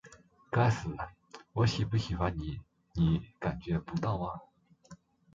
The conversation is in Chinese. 该死，我喜不喜欢你难道你感觉不到吗?